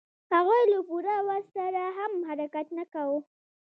هغوی له پوره وس سره هم حرکت نه کاوه.